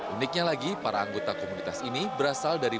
uniknya lagi para anggota komunitas ini berasal dari